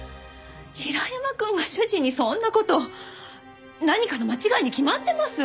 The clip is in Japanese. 平山くんが主人にそんな事何かの間違いに決まってます！